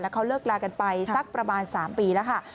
เขาเลิกลากันไปสักประมาณ๓ปีแล้วค่ะ